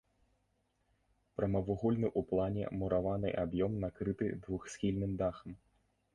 Прамавугольны ў плане мураваны аб'ём накрыты двухсхільным дахам.